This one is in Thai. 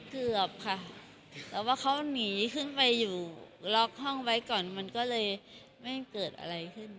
เกือบค่ะแต่ว่าเขาหนีขึ้นไปอยู่ล็อกห้องไว้ก่อนมันก็เลยไม่เกิดอะไรขึ้น